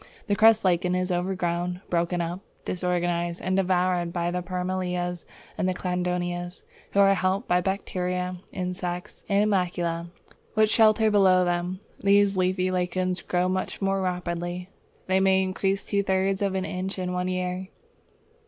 The crust lichen is overgrown, broken up, disorganized, and devoured by the Parmelias and Cladonias, who are helped by bacteria, insects, and animalcula which shelter below them. These leafy lichens grow much more rapidly. They may increase two thirds of an inch in one year.